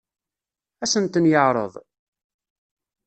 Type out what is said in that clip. Ad sen-ten-yeɛṛeḍ?